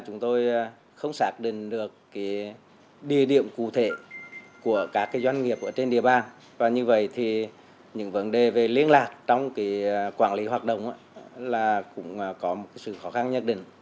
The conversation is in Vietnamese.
nhiều doanh nghiệp ở trên địa bàn và như vậy thì những vấn đề về liên lạc trong quản lý hoạt động cũng có một sự khó khăn nhất định